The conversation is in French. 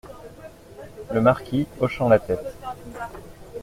Le Marquis , hochant la tête.